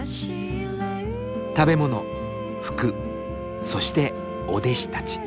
食べ物服そしてお弟子たち。